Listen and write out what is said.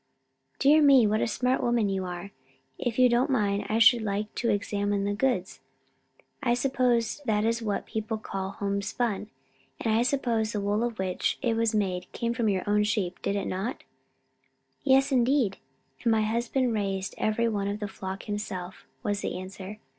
"Dear me! what a smart woman you are. If you don't mind, I should like to examine the goods. I suppose that is what people call homespun. And I suppose the wool of which it was made came from your own sheep, did it not?" "Yes, indeed, and my husband raised every one of the flock himself," was the answer.